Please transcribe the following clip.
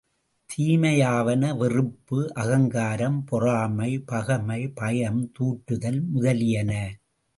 தீமையாவன வெறுப்பு, அகங்காரம், பொறாமை, பகைமை, பயம், தூற்றுதல் முதலியன.